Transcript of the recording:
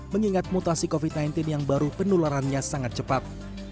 mengingat mutasi covid sembilan belas yang baru penularannya sangat cepat